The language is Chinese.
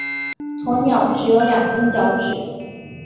鸵鸟只有两根脚趾。